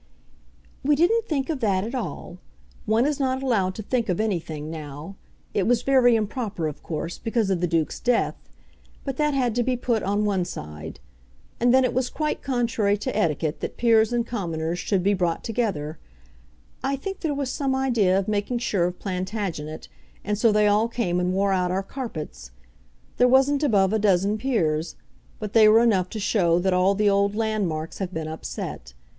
"We didn't think of that at all. One is not allowed to think of anything now. It was very improper, of course, because of the Duke's death; but that had to be put on one side. And then it was quite contrary to etiquette that Peers and Commoners should be brought together. I think there was some idea of making sure of Plantagenet, and so they all came and wore out our carpets. There wasn't above a dozen peers; but they were enough to show that all the old landmarks have been upset.